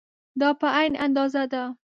دا په عین اندازه ده.